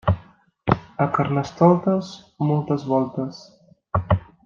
A Carnestoltes, moltes voltes.